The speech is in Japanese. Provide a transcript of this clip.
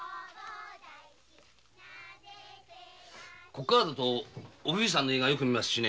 ここからだとお冬さんの家がよく見えますしね。